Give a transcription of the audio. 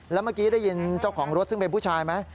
แล้วเมื่อกี้ได้ยินเจ้าของรถซึ่งเป็นผู้ชายไหม